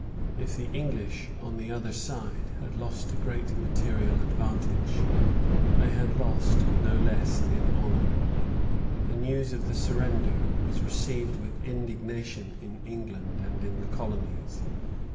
If the English, on the other side, had lost a great material advantage, they had lost no less in honor. The news of the surrender was received with indignation in England and in the colonies.